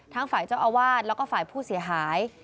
ฝ่ายเจ้าอาวาสแล้วก็ฝ่ายผู้เสียหาย